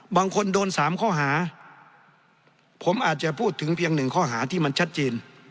บางคนโดน๓ข้อหาผมอาจจะพูดถึงเพียงหนึ่งข้อหาที่มันชัดเจน